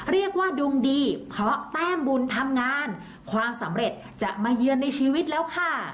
เรียกว่าดวงดีเพราะแต้มบุญทำงานความสำเร็จจะมาเยือนในชีวิตแล้วค่ะ